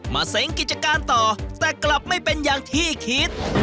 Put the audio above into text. เซ้งกิจการต่อแต่กลับไม่เป็นอย่างที่คิด